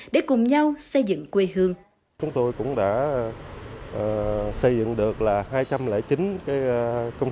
để cùng nhau xây dựng quê hương